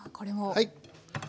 はい。